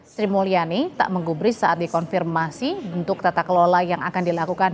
sri mulyani tak menggubris saat dikonfirmasi bentuk tata kelola yang akan dilakukan